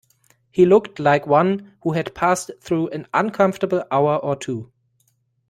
He looked like one who had passed through an uncomfortable hour or two.